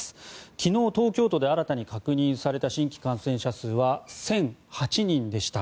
昨日、東京都で新たに確認された新規感染者数は１００８人でした。